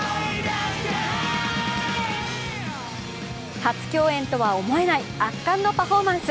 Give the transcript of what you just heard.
初共演とは思えない圧巻のパフォーマンス。